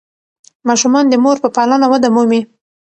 ماشومان د مور په پالنه وده مومي.